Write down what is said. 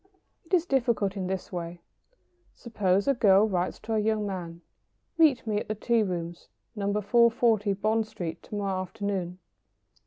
It is difficult in this way. Suppose a girl writes to a young man: "Meet me at the tea rooms, No. 440, Bond Street, to morrow afternoon."